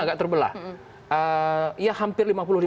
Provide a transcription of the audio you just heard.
agak terbelah ya hampir